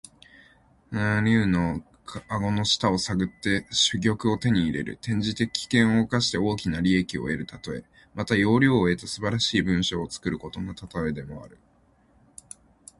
驪竜の顎の下を探って珠玉を手に入れる。転じて、危険を冒して大きな利益を得るたとえ。また、要領を得た素晴らしい文章を作ることのたとえとしても用いる。